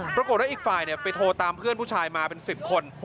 ปรากฏว่าอีกฝ่ายไปโทรตามเพื่อนผู้ชายมาเป็น๑๐คน